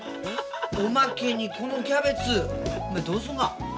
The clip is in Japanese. おまけにこのキャベツお前どうするが？え？